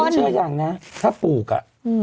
เชื่ออย่างนะถ้าปลูกอ่ะ